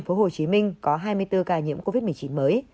tp hcm có hai mươi bốn ca nhiễm covid một mươi chín mới